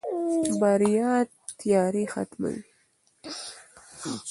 بریا تیارې ختموي.